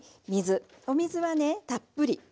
お水はねたっぷり。